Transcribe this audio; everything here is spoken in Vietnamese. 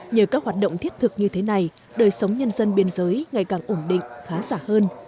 nhờ các hoạt động thiết thực như thế này đời sống nhân dân biên giới ngày càng ổn định khá giả hơn